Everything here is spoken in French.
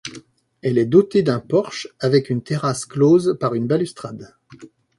Elle est dotée d'un porche avec une terrasse close par une balustrade.